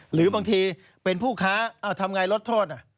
หรือบางทีเป็นผู้ค้าทำไงลดโทษ